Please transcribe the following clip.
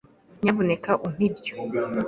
Nyamuneka umpe ibyo.